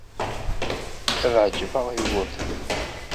Ad ɛejbeɣ Yugurten.